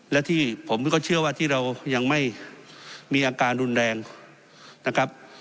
และที่ผมก็เชื่อว่าที่เรายังไม่มีอาการรุนแรงนะครับ